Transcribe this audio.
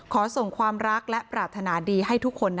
ขอส่งความรักและปรารถนาดีให้ทุกคน